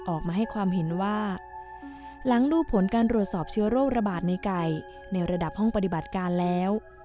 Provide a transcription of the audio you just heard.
ออกมาให้ความเห็นว่าหลังดูผลการรวดสอบเชื้อโรคระบาดในไก่ในระดับห้องปฏิบัติการแล้ว